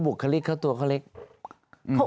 แต่ได้ยินจากคนอื่นแต่ได้ยินจากคนอื่น